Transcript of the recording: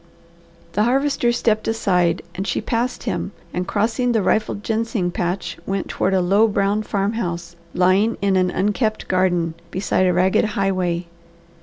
The Harvester stepped aside and she passed him and crossing the rifled ginseng patch went toward a low brown farmhouse lying in an unkept garden, beside a ragged highway.